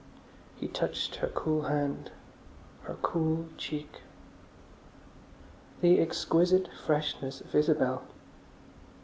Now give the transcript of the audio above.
He touched her cool hand, her cool cheek. The exquisite freshness of Isabel!